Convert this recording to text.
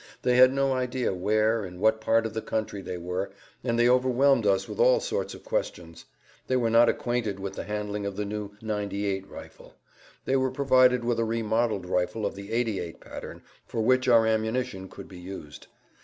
They had no idea where, in what part of the country they were, and they overwhelmed us with all sorts of questions. They were not acquainted with the handling of the new 98 rifle. They were provided with a remodeled rifle of the 88 pattern for which our ammunition could be used.